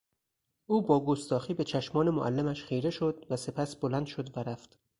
او با گستاخی به چشمان معلمش خیره شد و سپس بلند شد و رفت.